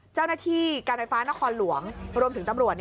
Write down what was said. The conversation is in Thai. เจ้าหน้าที่การไฟฟ้านครหลวงรวมถึงตำรวจ